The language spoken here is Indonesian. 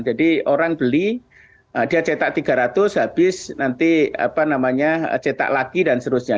jadi orang beli dia cetak tiga ratus habis nanti cetak lagi dan seterusnya